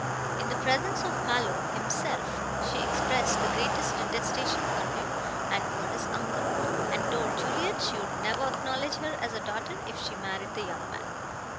In the presence of Mallow himself, she expressed the greatest detestation for him and for his uncle, and told Juliet she would never acknowledge her as a daughter if she married the young man.